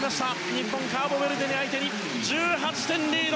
日本、カーボベルデ相手に１８点リード。